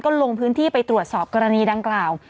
ลงพื้นที่ไปตรวจสอบกรณีดังกล่าว